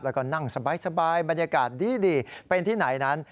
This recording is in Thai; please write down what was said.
แล้วก็นั่งสบายบรรยากาศดีเป็นที่ไหนนั้น